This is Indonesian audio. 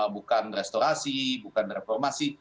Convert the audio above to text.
bukan restorasi bukan reformasi